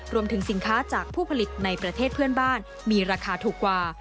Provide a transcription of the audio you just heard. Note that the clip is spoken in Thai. รวมถึงสินค้าจากผู้ผลิตในประเทศเพื่อนบ้านมีราคาถูกกว่า